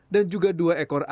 dan juga dua ekor angin